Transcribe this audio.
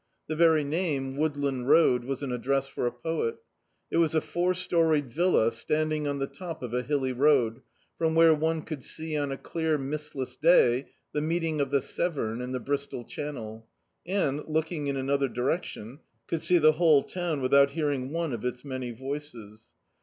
The very name. Woodland Road, was an address for a poet. It was a four storied villa, standing on the top of a hilly road, from where one could see on a clear mistless day the meeting of the Severn and the Bristol Channel ; and, looking in another direction, could see the whole town without hearing one of its many voices.